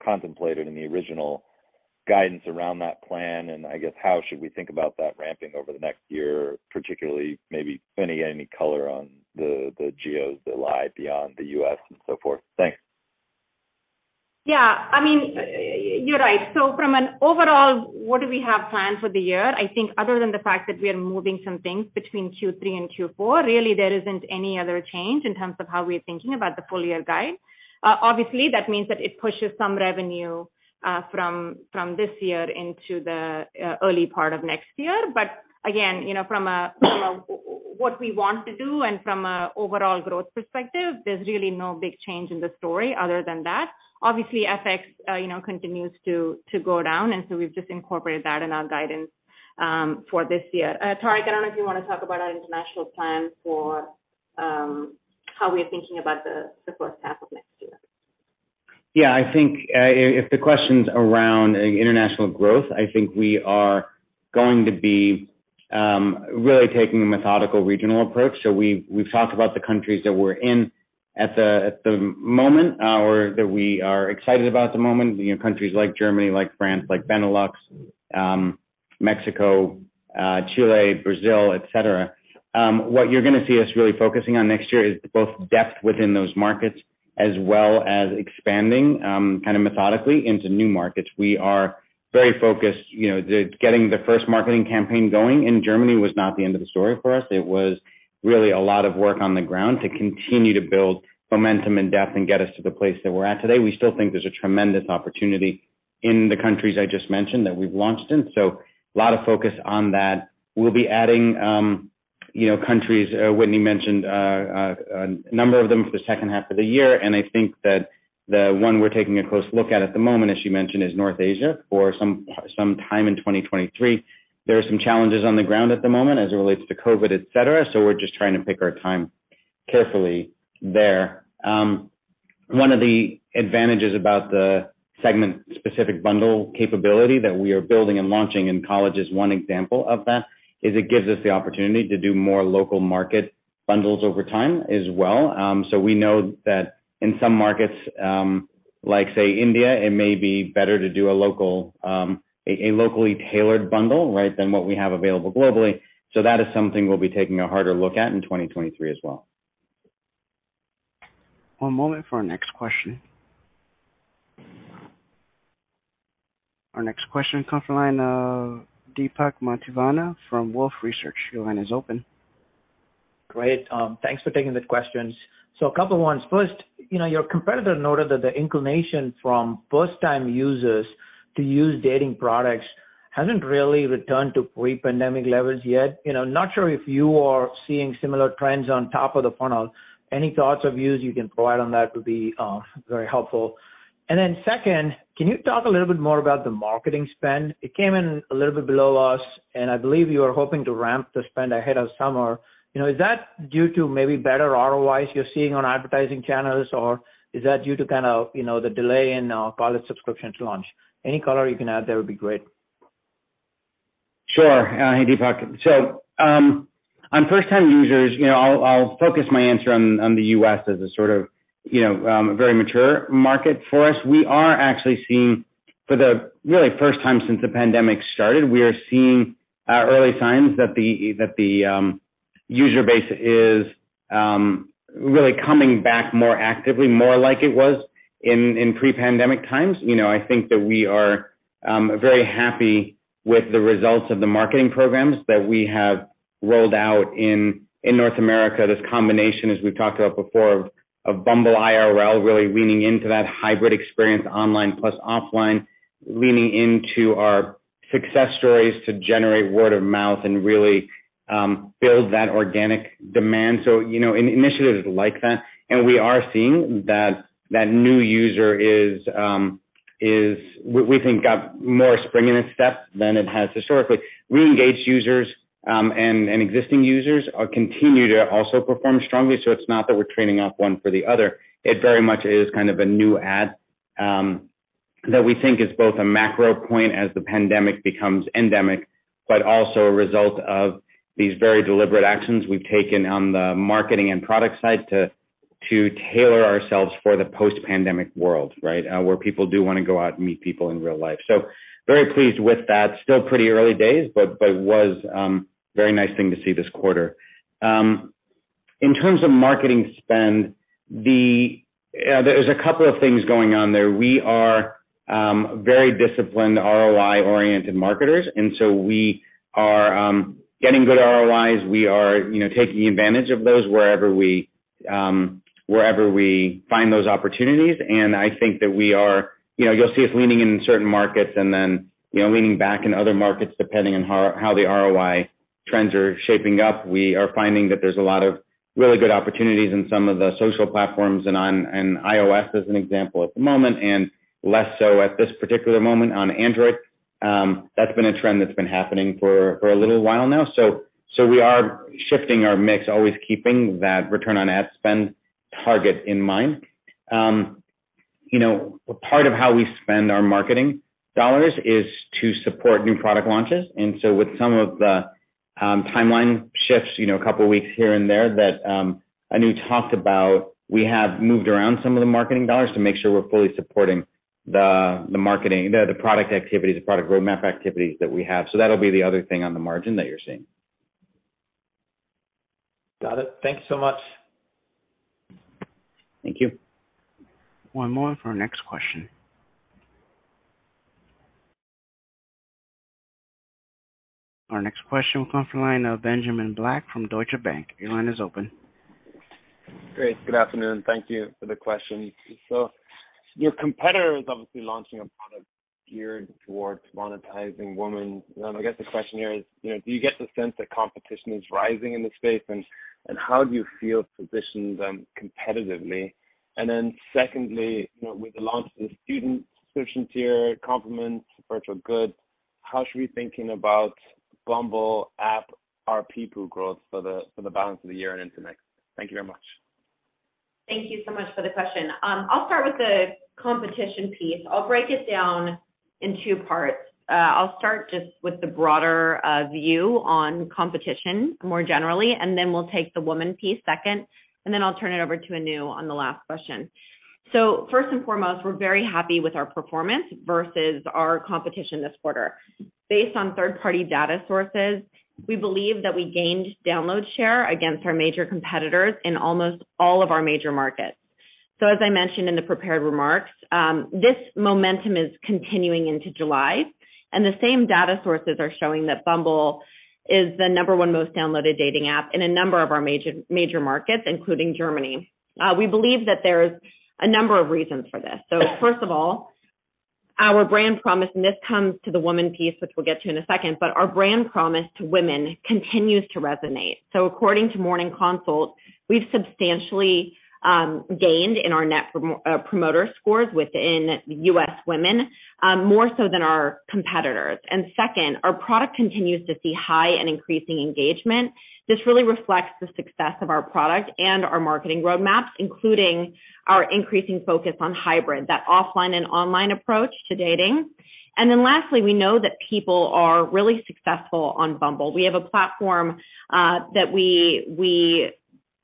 contemplated in the original guidance around that plan? I guess, how should we think about that ramping over the next year, particularly maybe any color on the geos that lie beyond the U.S. and so forth? Thanks. Yeah. I mean, you're right. From an overall, what do we have planned for the year, I think other than the fact that we are moving some things between Q3 and Q4, really there isn't any other change in terms of how we're thinking about the full year guide. Obviously, that means that it pushes some revenue from this year into the early part of next year. Again, you know, from a, you know, what we want to do and from a overall growth perspective, there's really no big change in the story other than that. Obviously, FX, you know, continues to go down, and so we've just incorporated that in our guidance for this year. Tariq, I don't know if you wanna talk about our international plan for how we're thinking about the first half of next year. Yeah. I think if the question's around international growth, I think we are going to be really taking a methodical regional approach. We've talked about the countries that we're in at the moment, or that we are excited about at the moment, you know, countries like Germany, like France, like Benelux, Mexico, Chile, Brazil, et cetera. What you're gonna see us really focusing on next year is both depth within those markets as well as expanding kind of methodically into new markets. We are very focused, you know, getting the first marketing campaign going in Germany was not the end of the story for us. It was really a lot of work on the ground to continue to build momentum and depth and get us to the place that we're at today. We still think there's a tremendous opportunity in the countries I just mentioned that we've launched in. A lot of focus on that. We'll be adding, you know, countries Whitney mentioned, a number of them for the second half of the year. I think that the one we're taking a close look at the moment, as she mentioned, is North Asia for some time in 2023. There are some challenges on the ground at the moment as it relates to COVID, et cetera. We're just trying to pick our time carefully there. One of the advantages about the segment specific bundle capability that we are building and launching in Q1 is one example of that, is it gives us the opportunity to do more local market bundles over time as well. We know that in some markets, like, say, India, it may be better to do a locally tailored bundle, right, than what we have available globally. That is something we'll be taking a harder look at in 2023 as well. One moment for our next question. Our next question comes from the line of Deepak Mathivanan from Wolfe Research. Your line is open. Great. Thanks for taking the questions. A couple ones. First, you know, your competitor noted that the inclination from first time users to use dating products hasn't really returned to pre-pandemic levels yet. You know, not sure if you are seeing similar trends on top of the funnel. Any thoughts of yours you can provide on that would be very helpful. Then second, can you talk a little bit more about the marketing spend? It came in a little bit below us, and I believe you are hoping to ramp the spend ahead of summer. You know, is that due to maybe better ROIs you're seeing on advertising channels, or is that due to kind of, you know, the delay in college subscriptions launch? Any color you can add there would be great. Sure, Deepak. On first time users, you know, I'll focus my answer on the U.S. as a sort of, you know, a very mature market for us. We are actually seeing for the really first time since the pandemic started, we are seeing early signs that the user base is really coming back more actively, more like it was in pre-pandemic times. You know, I think that we are very happy with the results of the marketing programs that we have rolled out in North America. This combination, as we've talked about before of Bumble IRL, really leaning into that hybrid experience online plus offline, leaning into our success stories to generate word of mouth and really build that organic demand. You know, in initiatives like that and we are seeing that new user we think got more spring in his step than it has historically. Reengaged users and existing users are continuing to also perform strongly. It's not that we're trading off one for the other. It very much is kind of a new era that we think is both a macro point as the pandemic becomes endemic, but also a result of these very deliberate actions we've taken on the marketing and product side to tailor ourselves for the post-pandemic world, right, where people do wanna go out and meet people in real life. Very pleased with that. Still pretty early days, but it was a very nice thing to see this quarter. In terms of marketing spend, there's a couple of things going on there. We are very disciplined ROI-oriented marketers, and so we are getting good ROIs. We are, you know, taking advantage of those wherever we find those opportunities. I think that we are, you know, you'll see us leaning in certain markets and then, you know, leaning back in other markets depending on how the ROI trends are shaping up. We are finding that there's a lot of really good opportunities in some of the social platforms and iOS as an example at the moment, and less so at this particular moment on Android. That's been a trend that's been happening for a little while now. We are shifting our mix, always keeping that return on ad spend target in mind. You know, part of how we spend our marketing dollars is to support new product launches. With some of the timeline shifts, you know, a couple weeks here and there that Anu talked about, we have moved around some of the marketing dollars to make sure we're fully supporting the marketing, the product activities, the product roadmap activities that we have. That'll be the other thing on the margin that you're seeing. Got it. Thank you so much. Thank you. One more for our next question. Our next question will come from the line of Benjamin Black from Deutsche Bank. Your line is open. Great. Good afternoon. Thank you for the question. Your competitor is obviously launching a product geared towards monetizing women. I guess the question here is, you know, do you get the sense that competition is rising in the space, and how do you feel positioned competitively? Secondly, you know, with the launch of the student subscription tier, Compliments, virtual goods, how should we be thinking Bumble app arppu growth for the balance of the year and into next? Thank you very much. Thank you so much for the question. I'll start with the competition piece. I'll break it down in two parts. I'll start just with the broader view on competition more generally, and then we'll take the woman piece second, and then I'll turn it over to Anu on the last question. First and foremost, we're very happy with our performance versus our competition this quarter. Based on third-party data sources, we believe that we gained download share against our major competitors in almost all of our major markets. As I mentioned in the prepared remarks, this momentum is continuing into July, and the same data sources are showing that Bumble is the number one most downloaded dating app in a number of our major markets, including Germany. We believe that there's a number of reasons for this. First of all, our brand promise, and this comes to the woman piece, which we'll get to in a second, but our brand promise to women continues to resonate. According to Morning Consult, we've substantially gained in our net promoter scores within U.S. women, more so than our competitors. Second, our product continues to see high and increasing engagement. This really reflects the success of our product and our marketing roadmaps, including our increasing focus on hybrid, that offline and online approach to dating. Lastly, we know that people are really successful on Bumble. We have a platform that we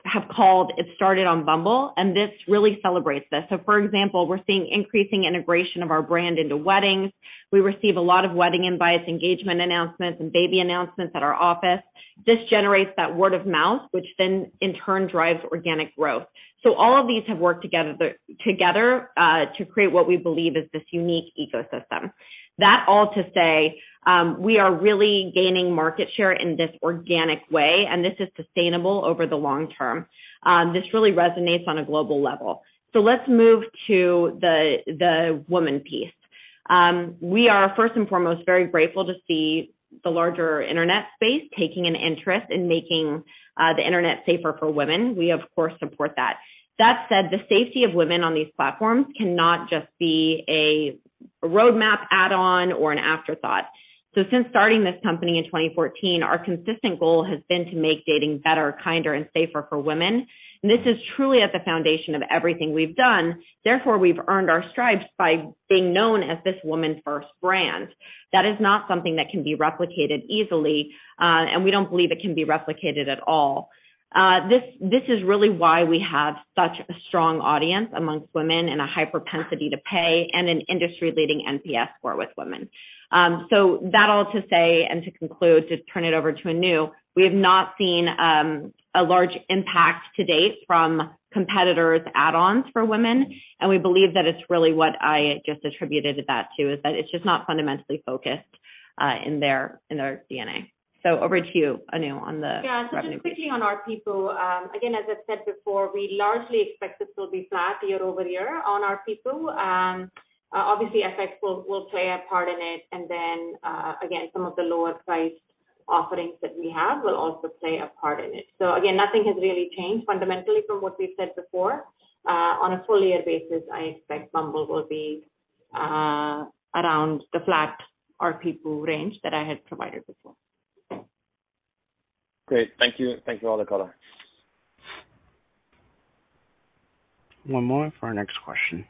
have called It Started on Bumble, and this really celebrates this. For example, we're seeing increasing integration of our brand into weddings. We receive a lot of wedding invites, engagement announcements and baby announcements at our office. This generates that word of mouth, which then in turn drives organic growth. All of these have worked together to create what we believe is this unique ecosystem. All that to say, we are really gaining market share in this organic way, and this is sustainable over the long term. This really resonates on a global level. Let's move to the woman piece. We are first and foremost very grateful to see the larger internet space taking an interest in making the internet safer for women. We of course support that. That said, the safety of women on these platforms cannot just be a roadmap add-on or an afterthought. Since starting this company in 2014, our consistent goal has been to make dating better, kinder, and safer for women, and this is truly at the foundation of everything we've done. Therefore, we've earned our stripes by being known as this women-first brand. That is not something that can be replicated easily, and we don't believe it can be replicated at all. This is really why we have such a strong audience among women and a high propensity to pay and an industry-leading NPS score with women. All that to say and to conclude, to turn it over to Anu, we have not seen a large impact to date from competitors' add-ons for women, and we believe that it's really what I just attributed that to, is that it's just not fundamentally focused in their DNA. Over to you, Anu, on the revenue. Yeah. Just quickly on our people, again, as I've said before, we largely expect this will be flat year-over-year on our people. Obviously, FX will play a part in it, and then, again, some of the lower priced offerings that we have will also play a part in it. Again, nothing has really changed fundamentally from what we've said before. On a full year basis, I expect Bumble will be around the flat ARPPU range that I had provided before. Great. Thank you for all the color. One moment for our next question.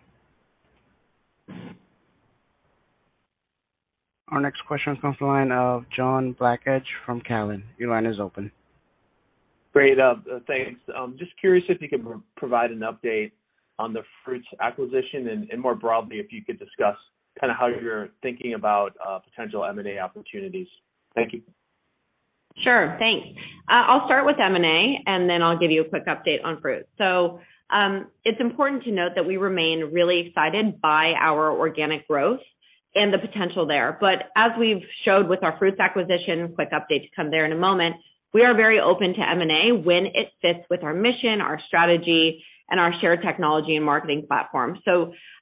Our next question comes from the line of John Blackledge from Cowen. Your line is open. Just curious if you could provide an update on the Fruitz acquisition and more broadly, if you could discuss kind of how you're thinking about potential M&A opportunities. Thank you. Sure. Thanks. I'll start with M&A, and then I'll give you a quick update on Fruitz. It's important to note that we remain really excited by our organic growth and the potential there. As we've showed with our Fruitz acquisition, quick update to come there in a moment, we are very open to M&A when it fits with our mission, our strategy, and our shared technology and marketing platform.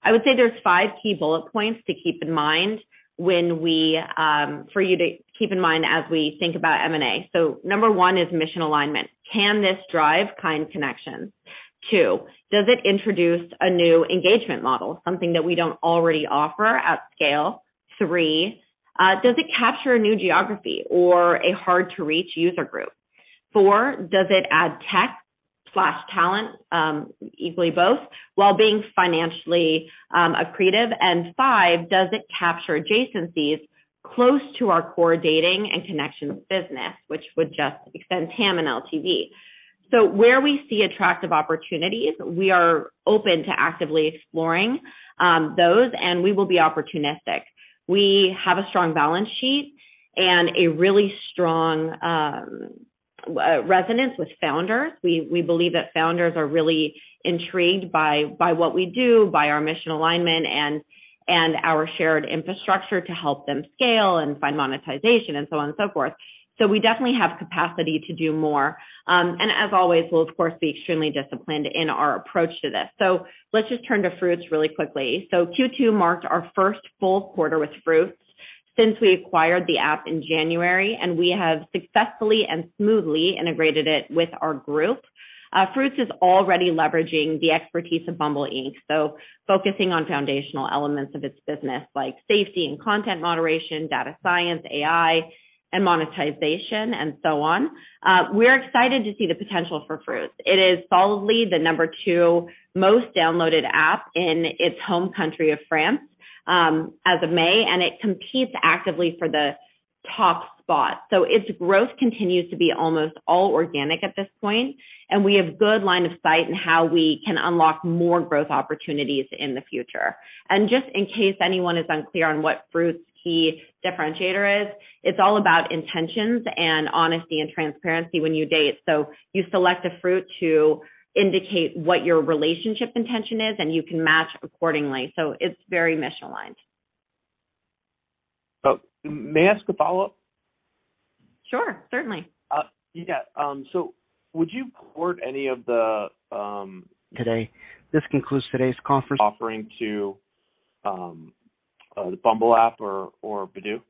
I would say there's five key bullet points to keep in mind for you to keep in mind as we think about M&A. Number one is mission alignment. Can this drive kind connections? Two, does it introduce a new engagement model, something that we don't already offer at scale? Three, does it capture a new geography or a hard-to-reach user group? Four, does it add tech talent equally both, while being financially accretive? Five, does it capture adjacencies close to our core dating and connections business, which would just extend TAM and LTV. Where we see attractive opportunities, we are open to actively exploring those, and we will be opportunistic. We have a strong balance sheet and a really strong resonance with founders. We believe that founders are really intrigued by what we do, by our mission alignment and our shared infrastructure to help them scale and find monetization and so on and so forth. We definitely have capacity to do more. As always, we'll of course be extremely disciplined in our approach to this. Let's just turn to Fruitz really quickly. Q2 marked our first full quarter with Fruitz since we acquired the app in January, and we have successfully and smoothly integrated it with our group. Fruitz is already leveraging the expertise of Bumble Inc., focusing on foundational elements of its business like safety and content moderation, data science, AI, and monetization, and so on. We're excited to see the potential for Fruitz. It is solidly the number two most downloaded app in its home country of France, as of May, and it competes actively for the top spot. Its growth continues to be almost all organic at this point, and we have good line of sight in how we can unlock more growth opportunities in the future. Just in case anyone is unclear on what Fruitz's key differentiator is, it's all about intentions and honesty and transparency when you date. You select a fruit to indicate what your relationship intention is, and you can match accordingly. It's very mission-aligned. May I ask a follow-up? Sure. Certainly. Would you port any of the- Today. This concludes today's conference- offering to Bumble app or Badoo?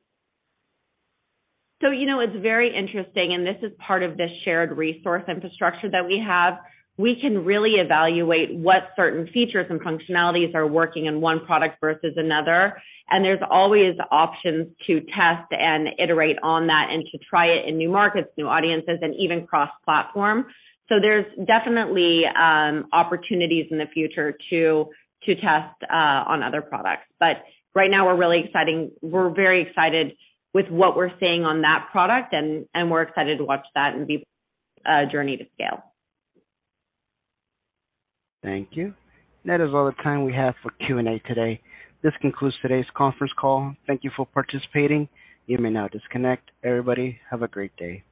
You know, it's very interesting, and this is part of the shared resource infrastructure that we have. We can really evaluate what certain features and functionalities are working in one product versus another. There's always options to test and iterate on that and to try it in new markets, new audiences, and even cross-platform. There's definitely opportunities in the future to test on other products. Right now, we're very excited with what we're seeing on that product and we're excited to watch that and be journey to scale. Thank you. That is all the time we have for Q&A today. This concludes today's conference call. Thank you for participating. You may now disconnect. Everybody, have a great day.